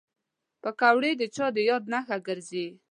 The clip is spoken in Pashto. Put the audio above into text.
پکورې د چا د یاد نښه ګرځي